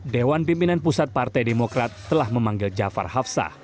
dewan pimpinan pusat partai demokrat telah memanggil jafar hafsah